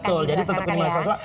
oke apapun tajuknya